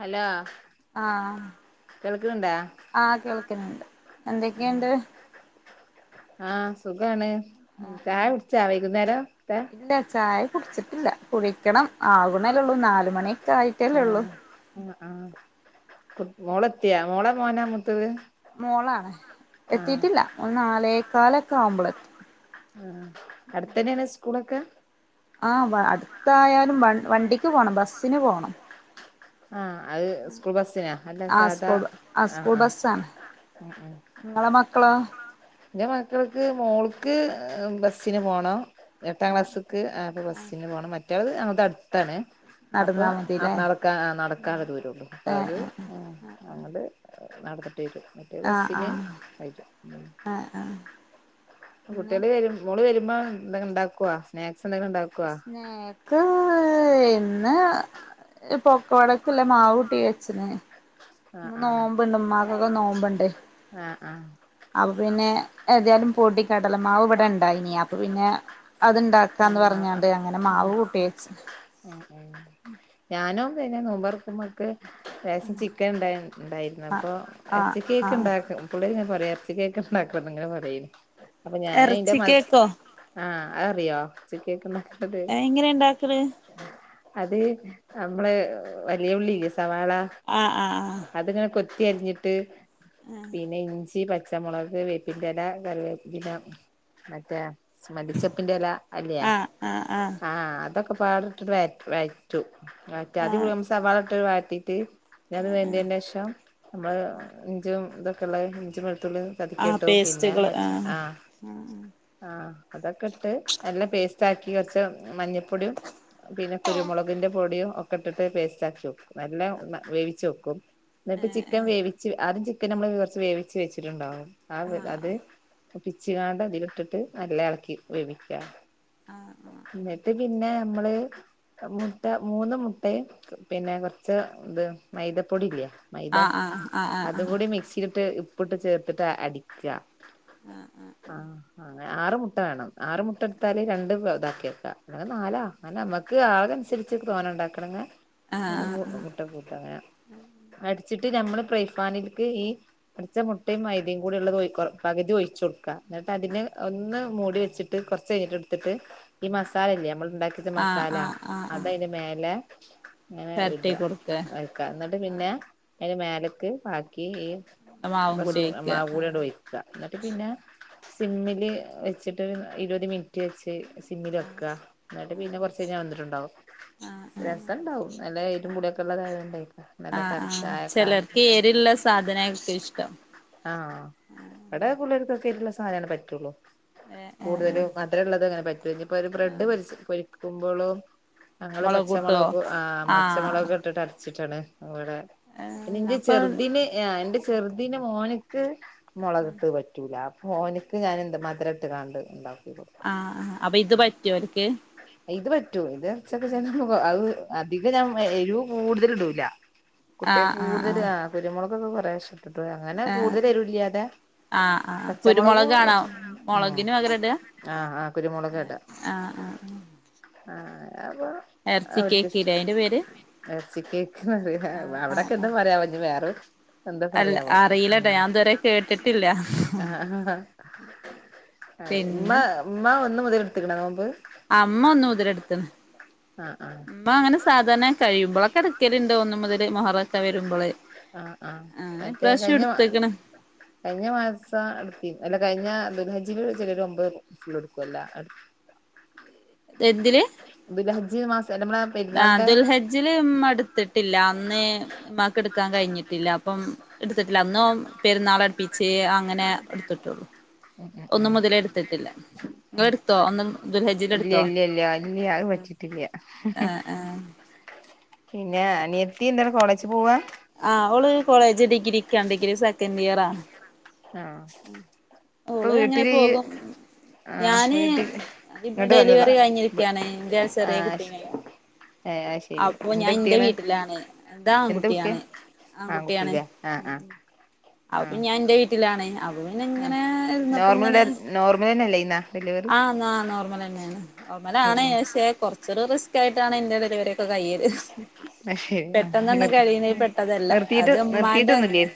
Hello. ആഹ് കേൾക്കണണ്ടാ ആഹ് കേൾക്ക്ണ് ണ്ട് എന്തൊക്കെണ്ട്. ആഹ് സുഖാണ് ചായ കുട്ച്ചാ വൈകുന്നേരം ത്തെ. ഇല്ല ചായ കുട് ച്ച്ട്ടില്ല കുടിക്കണം ആവ്ണല്ലെള്ളൂ നാല് മണി. ആഹ് ആഹ് ആഹ് കു മോളെത്തിയാ മോളാ മോനാ മൂത്തത്. മോളാണ് ആഹ് എത്തീട്ടില്ല ഒള് നാലേകാലൊക്കെ ആകുമ്പളത്തു ആഹ് ആഹ് അട്ത്തെന്നേണ് സ്കൂളൊക്കെ. ആഹ് വ അട്ത്തായാലും വ വണ്ടിക്ക് പോകണം ബസ്സിന് പോവണം. ആഹ് അത് സ്കൂൾ ബസിനാ അല്ല ആഹ് സാധാ സ്കൂൾ ആഹ് ആഹ്. ഉം ഉം. ഇങ്ങള മക്കളോ. ഇന്റെ മക്കൾക്ക് മോൾക്ക് ബസിന് പോകണം. എട്ടാം ഏഹ് ക്ലാസ്ക്ക് അപ്പ ബസിന് പോകണം മറ്റാള് ഞങ്ങൾത് അട്ത്താണ് അപ്പൊ നടന്നാ അ മതില്ലേ നട ക്ക അ നടക്കാള്ള ദൂരൊള്ളൂ ഏഹ് അപ്പത് ഏഹ് അങ്ങട്ട് നടന്നിട്ട് വരും. ഒരു ആഹ് ബസിന് ആഹ് ആയിട്ട് പിന്നെ കുട്ട്യള് വരും. മോള് വരുമ്പം എന്തെങ്കിം ഉണ്ടാക്ക്വോ സ്നാക്സ് എന്തങ്കിലും ഉണ്ടാക് സ്നേ ക്ക് ഇന്ന് പൊക്ക വടക്ക്ല്ല മാവൂട്ടി വെച്ച്ണ്. ഇന്ന് ആഹ് നോമ്പ്ണ്ട് ഇമ്മാക്കൊക്കെ നോമ്പ്ണ്ട്. ആഹ് ആഹ് അപ്പൊ പിന്നെ ഏതയാലും പൊടി കടലമാവ് ഇവടെണ്ടായിനി അപ്പൊ പിന്നെ. അത്ണ്ടാക്കാന്ന് ആഹ് പറഞ്ഞാണ്ട് അങ്ങനെ മാവ് കൂട്ടി വെച്ച്. ഉം ഉം. ഉം. ഞാനും പിന്നെ നോമ്പർക്കുമ്പക്ക്. ലേസം ചിക്കൻ ഇണ്ടാ ഇണ്ടായിര്ന്നു ആഹ് അപ്പൊ ആഹ് എറച്ചി ക്കേക്ക് ആഹ് ഉണ്ടാക്കും. പുള്ളേര്ങ്ങനെ പറയ എറച്ചി ക്കേക്ക്ണ്ടാക്കണംന്ന്ങ്ങനെ പറയും അപ്പൊ ഞാനയ്ൻ്റെ എറച്ചി മസ് കേക്കോ ആഹ് അതറിയോ എറച്ചി ക്കേക്ക്ണ്ടാക്ക ഏ എങ്ങനെ ഇണ്ടാക്കല്. അത് നമ്മള് വലിയ ഉള്ളില്ലെ സവാള. ആഹ് അത്ങ്ങനെ കൊത്തി അരിഞ്ഞിട്ട് പിന്നെ ഇഞ്ചി പ ച്ചമുളക് വേപ്പിന്റെല കറിവേപ്പില മറ്റേ. മല്ലിച്ചപ്പിന്റെല അല്ലേ ആഹ് ആഹ് അതൊക്കെ പാടെ ഇട്ടിട്ട് വേ വേ. റ്റും വയറ്റ ആഹ് [unintelligible] സവാളട്ടൊരു വയറ്റീട്ട്. പിന്നത് വെന്തേൻ്റെഷം ഞമ്മള് ഇഞ്ചും ഇതൊക്കെള്ളെ ഇഞ്ചിം വെളുത്തുള്ളി. ആഹ് ചതക്ക്യട്ടു പിന്നെ പേസ്റ്റുകള് പച്ച ആഹ്. ആഹ് അതൊക്കട്ട് എല്ലം പേസ്റ്റാക്കി കൊറച്ച് മഞ്ഞപ്പൊടിയും. പിന്നെ കുരുമുളകിന്റെ പൊടിയും ഒക്കെ ഇട്ടിട്ട് പേസ്റ്റാക്കിയോക്ക് നല്ല ന വേവിച്ച് വെക്കും ന്ന്ട്ട് ഏഹ് ചിക്കൻ ഏഹ് വേവിച്ച് ആദ്യം ചിക്കൻ നമ്മള് കൊറച്ച് വേവിച്ച് വെച്ചിട്ടുണ്ടാവും ആ അത് പിച്ചിങ്ങാണ്ട് അതില് ഇട്ടിട്ട് നല്ല എളക്കി വേവിക്കുക ന്ന്ട്ട് പിന്നെ അമ്മള് മുട്ട മൂന്ന് മുട്ടയും പിന്നെ കൊറച്ച് ഇത് മൈദപ്പൊടി ഇല്ലേ മൈദ ആഹ് ആഹ് ആഹ്ൾ ആഹ് അതും ആഹ് കൂടി മിക്സിലിട്ട് ഉപ്പിട്ട് ചേർത്തിട്ട് അടിക്ക്യ ആഹ് ആ [unintelligible] ആറ് മുട്ട വേണം ആറ് മുട്ടടുത്താല് രണ്ട് ഇതാക്കി വെക്കാ അങ്ങനെ നാലാ നമ്മക്ക് ആളനുസരിച്ച് തോനേ ഉണ്ടാക്കണങ്ങേ ആഹ് മൂന്ന് മുട്ട കൂട്ട അങ്ങനെ അടിച്ചിട്ട് ഞമ്മള് പ്രൈഫാനിൽക്ക് ഈ അടിച്ച മുട്ടേം മൈദീം കൂടെള്ളത് ഒഴി കൊറ പകുതി ഒഴിച്ചൊട് ക ഇന്നട്ട് അതിന് ഒന്ന് മൂടി വെച്ചിട്ട് കൊറച്ചഴിഞ്ഞിട്ട് ഇടുത്തിട്ട് ഈ മസാല ഇല്ലേ അമ്മള്ണ്ടാ ത് ആഹ് മസാല ആഹ് ആഹ് ആഹ് അതയ്ന മേലെ ഇങ്ങനെ പെരട്ടി ഇടാ കൊടുക്ക വെക്ക ഇന്നട്ട് പിന്നെ അയിന്റെ മേലക്ക് ബാക്കി ഈ മാവും കൂടി കൊറച്ച് ഒഴിക്ക മാവ് ആഹ് കൂടെട് ഒഴി ക്ക ഇന്നട്ട് പിന്നെ സിമ്മില് വെച്ചിട്ട് ഇരുപത് മിനിറ്റ് വെച്ച് സിമ്മിൽ വെക്കാ ഇന്നട്ട് പിന്നെ കൊറച്ചയ്ഞ്ഞാ വന്നിട്ടുണ്ടാവും ആഹ് ആഹ് രസംണ്ടാവും നല്ല എരും പുളി ഒക്കെ ആഹ് ആഹ് ചെലർക്ക് എരിള്ള സാധനാരിക്കും ഇഷ്ടം ആഹ് ഇവടെ പുള്ളേർക്ക് ഒക്കെ എരിവുള്ള സാധനേ പറ്റൊള്ളൂ ഏഹ് ഏഹ് ഏഹ് കൂടുതലും മധുരള്ളത് അങ്ങനെ പറ്റു ഇനിപ്പം ഒരു ബ്രെഡ് പൊരിച്ച് പൊരിക്കുമ്പോളും ഞങ്ങള് മൊളകൂട്ടോ പച്ചമൊളകു ആഹ് ആഹ് പച്ചമൊളക്ട്ടിട്ട് അരച്ചിട്ടാണ് ഇവടെ ഏഹ് പിന്നെന്റെ അപ്പൊ ചെറ്തിന് യാ ഇന്റെ ചെറുദിന് മോന്ക്ക് മൊളക്ട്ട് പ പറ്റൂല അപ്പോ ഓന്ക്ക് ഞാൻ എന്ത് മധുരട്ട്ങ്ങാണ്ട് ഉണ്ടാക്കി കൊടുക്കും ആഹ് ആഹ് അപ്പ ഇത് പറ്റോ ഓല്ക്ക് ഇത് പറ്റും ഇത് [unintelligible] അധികം ഞാൻ എരു കൂടുതല്ടൂല കുട്ട്യാക് കൂടുതല് ആഹ് കുരുമുളകൊക്കെ കൊറേശെ പ്പ് അങ്ങനെ ആഹ് കൂടുതല് എരു ഇല്ല്യാതെ ആഹ് [unintelligible] ആഹ് പച്ചമൊളകും കുരുമുളകാണോ ആഹ് മൊളകിന് പകരം ഇടാ ആഹ് ആഹ് കുരുമുളക് ഇടാ ആഹ് ആഹ് ആഹ് അപ്പോ എറച്ചി കേക്കിലെ അയിന്റെ പേര് എറച്ചി കേക്ക് പറീല ആഹ് ആഹ് അവിടൊക്കെ എന്താ ആഹ് പറയാവോനി വേറെ എന്താ അല്ല പറയാവോ അറീലട്ടോ ഞാൻ അറിയില്ലട്ടോ ഇതുവരെ ഇത് വരെ കേട്ടിട്ടില്ല അഹ ഹ ഹ അഹ് ഇമ്മ പിന്നെ മ്മ ഒന്ന് മുതൽ ഇടുത്ത്ക്ക്ണോ നോബ്‌ അഹ് ഉമ്മ ഒന്ന് മുതൽ എടുത്ത്ണ് ആ ആ ഉമ്മ അങ്ങനെ സ് സാധാന കഴുമ്പോളൊക്കെട്ക്കലുണ്ട് ഒന്ന് മുതല് മൊഹറക്കെ വരുമ്പള് ആഹ് ആഹ് മറ്റേ കഴിഞ്ഞ മ എടുത്ത്ക്ക്ണ് കഴിഞ്ഞ മാസം എടുത്തി അല്ല കഴിഞ്ഞ ദുൽ ഹജിലൊരു ചെലര് ഒമ്പത് ഇടുക്കുവല്ലാ അട് എന്തിന് ദുൽഹജ്ജ് മാസം നമ്മളെ പെരുന്നാൾ ന്റെ ജില് ഉമ്മടുത്തിട്ടില്ല അന്നേ മാക്കെടുക്കാൻ കഴിഞ്ഞിട്ടില്ല അപ്പം എടുത്തിട്ടില്ല അന്നോം പെരുന്നാളടുപ്പി ച്ചേ അങ്ങനെ എട്ത്തിട്ടൊള്ളൂ. ഉ നിങ്ങള് ഉം എടുത്തോ ഒന്ന് ദുൽഹജ്ജില് എടുത്തോ ഇല്ല്യല്ല്യല്ല ഇല്യ വറ്റി [unintelligible] വ്യാ ആഹ് ആഹ് പിന്നെ അനിയത്തി ന്താണ് കോളേജ് പോവാ. ആഹ് ഓള് കോളേജ് ഡിഗ്രിക്കാ ഡിഗ്രി സെക്കൻഡിയറാ. ആഹ് പ്പൊ ഓള് അങ്ങനെ വീട്ടിലിയ്യ്. പോകും ആഹ് ഞാന് വീട്ടിൽ ഇങ്ങട്ട് വന്നതാ ഡെലിവറി കഴിഞ്ഞിരിക്കയാണ് എന്റെ ചെറിയ ആഹ് ശെ കുട്ടീനെ [unintelligible] ഏഹ് അഹ് ശെരി അപ്പൊ എന്ത് ഞാൻ എന്റെ കുട്ട്യാണ് വീട്ടിലാണ് ഇത് എന്ത് കുട്ടിയാ. ആൺകുട്ടിയാണ് ആൺ ആൺകുട്ടിയാണ് കുട്ടിലേ ആഹ് ആഹ് അപ്പൊ ആഹ് ഞാൻന്റെ വീട്ടിലാണ് അപ്പ ആഹ് പിന്നങ്ങനെ. നോർമൽ ന്നപ്പങ്ങനെ ഡെ നോർമൽ തന്നെയല്ലേ ഇന്നാ ഡെലിവറി ആഹ് ന്നാ നോർമലന്നേണ് നോർമലാണ് ഉം പശേ കൊറച്ചൊരു റിസ്കായിട്ടാണ് എന്റെ ഡെലിവറിയൊക്കെ കയ്യല്. അത് ശരി ആ പെട്ടന്നെന്നും നിർ കഴിയിണേ പെട്ടതല്ല നിർത്തിയിട്ട് അത് ഉമ്മാന്റെ നിർത്തിയിട്ടൊന്നുല്ലേ അങ്ങനെ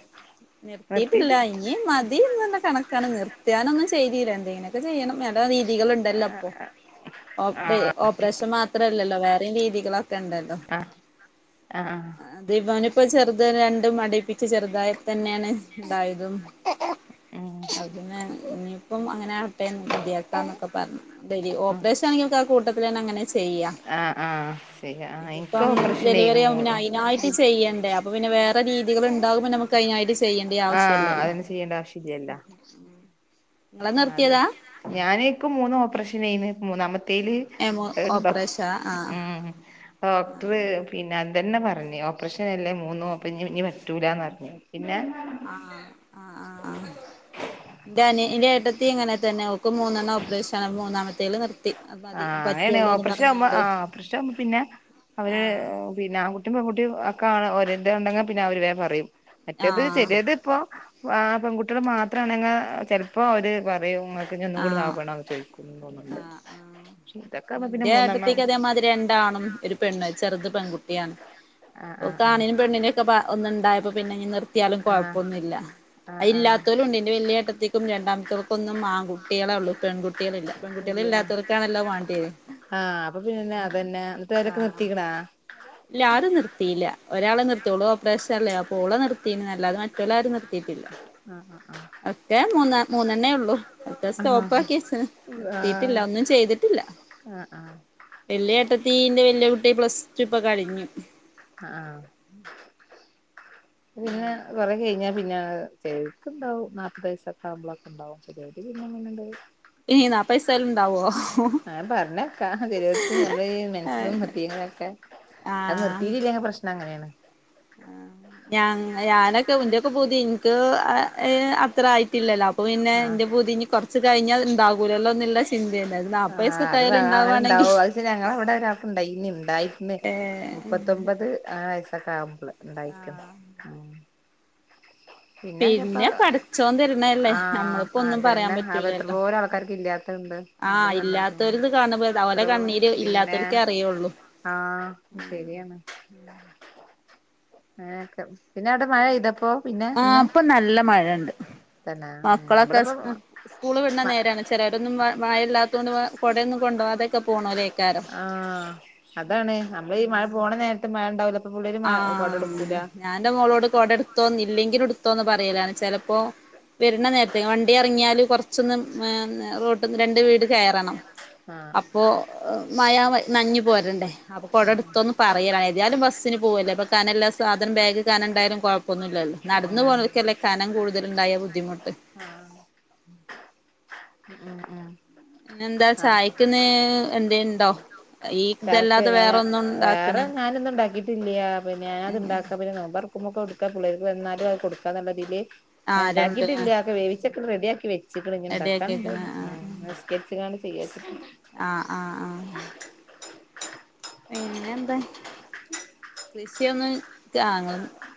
നിർത്തീട്ടില്ല നിർത്തിയിട്ട് ഇനി മതീന്ന് കണക്കാണ് നിർത്ത്യാനൊന്നും ചെയ്തീല്ല എന്തേങ്ങി ചെയ്യണം വേണ്ട രീതികള് ണ്ടല്ലോപ്പോ ഓ ടെ ഓപ്പ്റേഷൻ മാത്ര ത്രല്ലല്ലോ വേറെയും രീതികളൊക്കെ ണ്ടല്ലോ. ആ ആ ആ ഇബാനു ഇപ്പോ ചെർത് രണ്ടും അടീപ്പിച്ച് ചെർതായി തന്നേണ് ണ്ടായതും. ആഹ്. അപ്പൊ പിന്നെ ഇനിപ്പം അങ്ങനെ ആവട്ടെ മതിയാക്കാന്നൊക്കെ പ പർഞ്ഞു ഡെയ്ലി ഉം ഓപ്പറേഷാണെങ്കി ആ കൂട്ടത്തിലന്നെ അങ്ങനെ ചെയ്യാ. ആഹ്. ഇതിപ്പം ഡെലിവറി ആവുമ്പൊന്നെ അയ്നായിട്ട് ചെയ്യണ്ടേ. അപ്പൊ പിന്നെ വേറെ രീതികള് ണ്ടാവുമ്പോ നമുക്ക് അയ്നായിട്ട് ചെയ്യേണ്ട്യോ ആ ആവശ്യല്ലല്ലോ. [inaudible] അതൊന്നും ചെയ്യേണ്ട നിങ്ങളെ ആഹ് അതെ നിർത്തിയതാ ഞാന് ഇക്ക് മൂന്ന് ഓപ്പറേഷനേന്ന് മൂന്നാമ തേല് എമോ അഹ്ണ്ടോ ഓപ്പറേഷ ആഹ് ഉം ഉം ഡോക്ട്ട്ർ പിന്നെ അതെന്നെ പറഞ്ഞ് ഓപ്പറേഷനല്ലേ മൂന്നും. അപ്പ ഞ്ഞിഞ്ഞി പറ്റൂലാന്നർഞ്ഞു പിന്നെ. ആഹ് ആഹ് [inaudible] ന്റെഅനി ന്റെഏട്ടത്തി ഇങ്ങനെ തന്നെ ഓക്ക് മൂന്നെണ്ണം ഓപ്പറേഷാണ് മൂന്നാമത്തേല് നിർ ആഹ് അങ്ങനേണ് ഓപ്റഷാവുമ്പോ ആഹ് ഓപ്പ്റഷാവുമ്പ പിന്നെ അവര് ആഹ് പിന്നെ ആങ്കുട്ടിയും പെൺകുട്ടിയും ഒക്കെ ആണ് ഓരെത് ഉണ്ടെങ്കി പിന്നെ അവര് വേം പറയും മറ്റേത് ആഹ് ചെലേത്പ്പോ ആഹ് പെൺകുട്ടിയേള് മാത്രാണെങ്ങി ചെൽപ്പോ അവര് പറയും ഇങ്ങക്ക് ഞ്ഞി ഒന്നും കൂടി ആഹ് നോക്കണോന്ന് ചോയിക്കും തോന്ന്ണ്ട്. ന്റെ ഏട്ടത്തിക്ക് അതേമാതിരി രണ്ടാണും ഒരു പെണ്ണും ചെറുത് പെൺകുട്ടിയാണ്. ആഹ് ഓക്ക് ആഹ് ആണിനും പെണ്ണിനും ഒക്കെ പ ഒന്ന്ണ്ടായപ്പോ പിന്നെ ഇഞ്ഞ് നിർത്തിയാലും ആഹ് കൊഴപ്പൊന്നുല്ല. അത്‌ ആഹ് ആഹ് ആഹ് ഇല്ലാത്തോലുണ്ട് ന്റെ വല്ല്യേ ഏട്ടത്തിക്കും രണ്ടാമത്തോൾക്കൊന്നും ആങ്കുട്ട്യാളെ ഒള്ളൂ പെങ്കുട്ട്യാളില്ലാ. പെങ്കുട്ട്യാള് ഇല്ല ഇല്ലാത്തോൽക്കാണല്ലോ വാണ്ട്യേ ആഹ് അപ്പൊ പിന്നെ അതന്നെ എന്നിട്ടോരൊക്കെ ആഹ് നിർത്തീക്ക്ണോ? ഇല്ല ആരും നിർത്തീല്ല ഒരാളെ നിർത്തിയൊള്ളു ഓപ്പറേഷല്ലെ അപ്പൊ ഓള് നിർ ത്തീനല്ലാതെ മറ്റോലാരും നിർത്തീട്ടില്ല. ആഹ്, ആഹ്, ആഹ്. ഒക്കേ മൂന്ന മൂന്നെണ്ണേ ഒള്ളൂ ഒക്കെ ആഹ് സ്റ്റോപ്പാക്കിച്ച്ണ്. ആഹ് നിർത്തീട്ടില്ല ഒന്നും ചെയ്തിട്ടില്ല. ആഹ്, ആഹ് വെല്ല്യേ ഏട്ടത്തീന്റെ വെല്ല്യേ കുട്ടി പ്ലസ് ടു പ്പൊ കഴിഞ്ഞു. ആഹ് ആഹ് പിന്നെ അങ്ങനെ കൊറ കഴിഞ്ഞാൽ പിന്നെ ചിലർക്ക് ഉണ്ടാവും നാപ്പത് വയസ്സാക്കെ ആവ്പോളൊക്കെ ഉണ്ടാവും ചെലവര് പിന്നെ അങ്ങട് ഇനി നാപ്പത് വയസായാലും ഉണ്ടാവോ ആഹ് പറഞ്ഞക്ക് നമ്മുടെ മെൻസും അത് ആഹ് നിർത്തിയിട്ടല്ലെങ്കിൽ പ്രശ്നം അങ്ങനെയാണ് ഞാ ഞാനൊക്കെ ഉന്റെയൊക്കെ പുതി എനിക്ക് അത്ര ആയിട്ടില്ലല്ലോ പിന്നെ ആഹ് എന്റെ പുതി ഇനി കൊറച്ച് കഴിഞ്ഞാൽ ഇണ്ടാവകൂലല്ലോന്നുള്ള ആഹ് അത് അങ്ങനെ ഇണ്ടാവോ അത് ഞങ്ങ അവിടെ ഒരാക്ക് ഇണ്ടായിനി ഇണ്ടായിക്കണ് ഏഹ് മുപ്പത്തൊമ്പത് ആ വയസ്സൊക്കെ ആവുമ്പള് ഉണ്ടായിക്കണ് [inaudible] പിന്നെ എന്തത്താ പടച്ചോൻ തരണല്ലേ ആഹ് നമ്മളിപ്പോ ഒന്നും പറയാൻ അതന്നെ അവ പറ്റൂലല്ലോ എത്രപോരം ആൾക്കാർക്ക് ഇല്ലാത്ത ഇണ്ട് ആഹ് ഇല്ലാത്തവരിത് കാണുമ്പോ അവരെ കണ്ണീര് പിന്നെ ഇല്ലാത്തവർക്കെ അറിയുള്ളൂ ആഹ് ശരിയാണ് അങ്ങനൊക്കെ പിന്നെ അവിടെ മഴെയ്തപ്പോ ആഹ് ഇപ്പൊ നല്ല മഴണ്ട് തന്നെ ഉം ഇവിടെപ്പം ഉം സ്കൂൾ വിടുന്ന നേരെയാണ് ചിലവരൊന്നും മഴയില്ലാത്തത്ണ്ട് കുടയോന്നും കൊണ്ടപോതൊക്കെ പോണോല്ലേക്കാരം ആഹ് അതാണ് നമ്മള് ഈ മഴ പോണ നേരത്തെ മഴ ഉണ്ടാവുല അപ്പൊ പുള്ളര് കൊട എടുക്കൂല ഞാൻന്റെ മോളോട് കോടെ എടുത്തോ ഇല്ലെങ്കിലു എടുത്തോന്ന് പറയല ചിലപ്പോ വരുന്ന നേരത്തെ വണ്ടി ഇറങ്ങിയാല് കുറച്ചൊന്ന്‌ റോട്ട്ന്ന രണ്ട് വീട് കേറണം ആഹ് അപ്പോ മഴ നനഞ്ഞു പോരണ്ടേ അപ്പൊ കൊട ആഹ് എടുത്തൊന്ന് പറയലാണ് ഏതായാലും ബസ്സിന് പോവല്ലേപ്പൊ കനം എല്ല സധന ബാഗ് കനം എണ്ടായാലും കുഴപ്പൊന്ന ഇല്ലല്ലോ നടന്ന് ആഹ് പോകന്നവർക്കല്ലേ കനം കൂടുതൽ ഉണ്ടായ ബുദ്ധിമുട്ട് [unintelligible] പിന്നെന്താ ആഹ് ചായക്കന്ന് എന്തു ങ്കിലുണ്ടോ ഈ ചാക്ക് ഇതല്ലാതെ ഞാന് വേറെ ഒന്നും ഉണ്ടാക്കണ വേറെ ഞാനൊന്നും മാഗിഉണ്ടാക്കി ഇല്ല പിന്നെ ഞാന അത്ണ്ടാക്ക പിന്നെനോമ്പ് തുറക്കുമ്പോക്കും അതു ടുക്കപിള്ളേര് വന്നാലും അത് കൊടുക്കാന്നുള്ള രീതിയില് ആഹ് രണ്ട് ആഹ് ഉണ്ടാക്കിട്ടില്ല ഒക്കെ വേവിച്ചൊക്കെ റെഡിയ ആക്കി വെച്ചിക്ണ് ഇനി റെഡിയാക്കി ഇണ്ടാക്കാണ്ട് വെക്ക്ണ് ഉം നിസ് കരിച്ചിക്കാണ്ട് ചെയ്യാച്ചിണ്ട ആഹ് ആഹ് ആഹ് പിന്നെ എന്താ കൃഷിയൊന്ന് [unintelligible]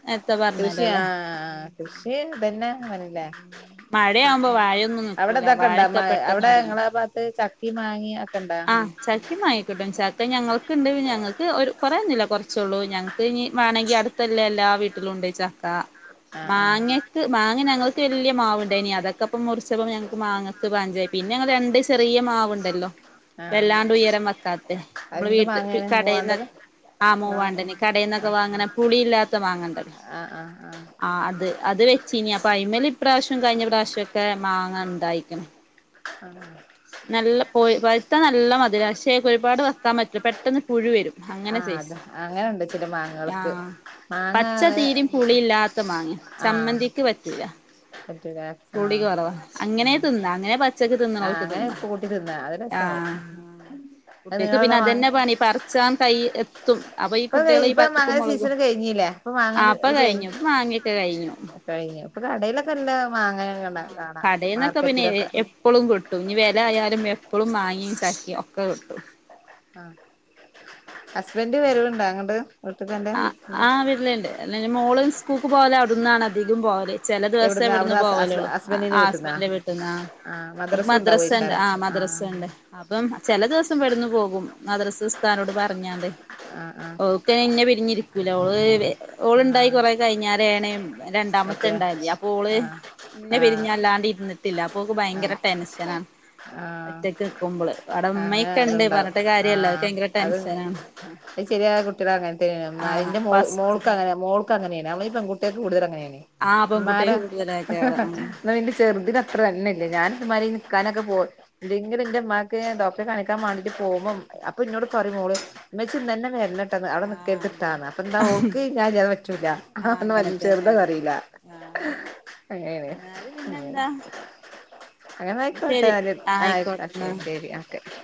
കൃഷിയ ആഹ് കൃഷിതന്നെ ഞാൻ പറഞ്ഞിലെ മഴയാവുമ്പോ വാഴയൊന്നും അവിടെ നിക്കൂല ഇതൊക്കെണ്ടാ മ വാഴൊക്കെ പെട്ടെന്ന് അവിടെ ഒടിയും നിങ്ങളെ ഭാഗത്ത് ചക്ക മാങ്ങിം ഒക്കെണ്ട ആഹ് ചക്കയും മാങ്ങക്കിട്ടും ചക്ക അഹ ഞങ്ങൾക്ക്ണ്ട് ഞങ്ങൾക്ക് ഒരു കൊറൊന്നുമില്ല കുറച്ചുള്ളൂ ഞങ്ങക്ക് ഇനി വേണമെങ്കിൽ അടു ത്ത് എല്ലാ വീട്ടിലും ഉണ്ട് ചക്ക ആഹ് മാങ്ങി ആഹ് ക്ക് മാങ്ങ ഞങ്ങൾക്ക് വിലിയ മാവ് ഉണ്ടായിനി അതൊക്കെപ്പം മുറിച്ചപ്പോ ഞങ്ങക്ക് മാങ്ങക്ക് പൻഞ്ചയി പിന്നെ അങ്ങെ രണ്ട് ചെറിയ മാവുണ്ടല്ലോ ആഹ് വല്ലാണ്ട് ഉയരം വെക്കാത്ത നമ്മള് എന്ത് വീട്ടിൽ മാങ്ങയാണ് കടെന്ന് മൂവാണ്ടന് ആഹ് മുവാണ്ടൻ കടയിൽന്നൊക്കെ വാങ്ണ പുളിയില്ലാത്ത മാങ്ങണ്ടല്ലോ ആഹ് ആഹ് ആഹ് ആഹ് അത് അത് വെച്ചീനി അപ്പൊ അയിമേൽ ഇപ്രശ്യം കഴിഞ്ഞ പ്രാവശ്യം ഒക്കെ മാങ്ങാ ഉണ്ടായി ഉം [inaudible] നല്ല പഴുത്ത നല്ല മധുര പക്ഷേ ഒരുപാട് വയ്ക്കാൻ പറ്റില്ല പെട്ടെന്ന് പുഴു വരും അങ്ങനെ ആഹ് സയ്സ അത് അങ്ങനെണ്ട് ചില മാങ്ങകൾക്ക് ആഹ് മാങ്ങ പച്ച അങ്ങനെ തീരയും പുളില്ലാത്ത മാങ്ങ ആഹ് ചമ്മന്തി ക്ക് പറ്റുല പറ്റൂല പുളി ആഹ് കോറവാ അങ്ങനെ ആഹ് തിന്നാ അങ്ങനെ പച്ചക്ക് തിന്നോ ആഹ് അങ്ങനെ തിന്ന കൂട്ടി തിന്നാ അത് രസാവും ആഹ് അത് ഇബൽക്ക് നീളള്ള പിന്നെ മാങ്ങ അതന്നെ പണി പ ച്ചാൻ തൈയ്യ് ത്തും അപ്പ ഈ ഇപ്പൊ കുട്ട്യാള് ഈ പ ഇപ്പൊ മാങ്ങ ഉപ്പും, മുളകും സീസൺ കഴിഞ്ഞില്ലേ ഇപ്പൊ മാങ്ങ ആഹ് പ്പ കഴിഞ്ഞ് കഴിഞ്ഞു മാങ്ങക്കെ കഴിഞ്ഞു കഴിഞ്ഞു ഇപ്പ കടിലൊക്കെ എല്ലാ മാങ്ങ [unintelligible] കാണ മാർക്കറ്റിലൊക്കെ പ്പളും കിട്ടും ഇനി വെല ആയാലും എപ്പളും മാങ്ങിമ്, ചക്കിം ഒക്കെ കിട്ടും ആഹ് ഹസ്ബന്റ് വെരവ്ണ്ടോ അങ്ങട്ട്? ആഹ് ആഹ് വെര്ല്ണ്ട് അല്ല മോള് സ്കൂക്ക് പോല് അവിടുന്നാണ് അധികും പോല് ചെല ദിവസെ എവിടുന്ന ഇവട്ന്ന് അവിടുന്ന് ഹസ് പോവലോള്ളു ആഹ് ഹസ്ബൻഡിന്റെ വീട്ടിന്നാ ഹസ്ബന്റിന്റെ വീട്ട്ന്ന് ആ ആഹ് മദ്രസ ഇണ്ട് ഉണ്ടാവോയിക്കാരം ആഹ് ആ മദ്രസ ഇണ്ട് അപ്പം ചെല ദിവസം ഇവട്ന്നും പോകും മദ്രസ ഉസ്താദിനോട് പർഞ്ഞാണ്ട് ആഹ് ആഹ് ഓക്കയ്ന് ഇന്നെ പിരിഞ്ഞിരിക്കൂല ഓള് ആ ഓള്ണ്ടായി കൊറെ കഴിഞ്ഞാരെണ് രണ്ടാമത്തെ മറ്റേ ഇണ്ടായത് അപ്പൊ ഓള് ഇന്നെ ആ പിരിഞ്ഞല്ലാണ്ട് ഇര്ന്നിട്ടില്ല അപ്പൊക്ക് ഭയങ്കര ടെൻഷനാണ് ആ ആ ഒറ്റക്ക് നിക്കുമ്പള് അവ്ടെ അങ്ങനെ ഇമ്മക്കെ ഇണ്ട് അതുണ്ടാവും പർഞ്ഞിട്ട് കാര്യല്ല അവക്ക് ഭയങ്കര ടെൻഷനാണ് [unintelligible] കുട്ട്യാള് അങ്ങൻത്തന്നെനു ഇമ്മാര് ആഹ് ഇന്റെ മോള് മോൾക്ക് ഫസ്റ്റ്ത്തെ അങ്ങനെ മോ ക്കെ അങ്ങനെണ് അമ്മളെ പെൺകുട്ടിയാൾക്ക് കൂടുതല് അങ്ങനെണ് ആഹ് പെൺകുട്ടി ഇമ്മാരെ കൂടുതലൊക്കെയാണ് ഉം ഇന്നാ ഇന്റെ ചെർതിന് ഇത്രന്നെല്ല ഞാൻ ഇതുമാതിരി നിക്കാനൊക്കെ പോ എന്തെങ്കിലും ഇന്റെ ഇമ്മാക്ക് ഡോക്ടറെ കാണിക്കാൻ മാണ്ടി പോവുമ്പം അപ്പ ഇന്നോട് പറിം മോള് ഇമ്മച്ചി ഇന്നനെ വേര്ന ട്ടന്ന് അവിടെ ആഹ് അതാ നിക്കെര്ത്ട്ടാന്ന് അപ്പത്താ ആഹ് ഓക്ക് ഞാൻ ഇല്ലാതെ പറ്റൂല അങ്ങനെ [unintelligible] ചെർത് അത് തന്നെയാണ് പറീല ആഹ് അങ്ങനെണ് എന്നാല് ഉം പിന്നെന്താ അങ്ങനെന്നാ ശരി അയിക്കോട്ടെന്നാല് ആഹ് അയ്ക്കോ ആയിക്കോട്ടെന്നാ ശെരി ശെരി ആഹ് ഓക്കെ